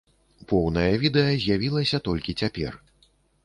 Поўнае відэа з'явілася толькі цяпер.